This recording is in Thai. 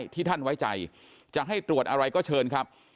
ที่ท่านไว้ใจจะให้ตรวจอะไรก็เชิญครับ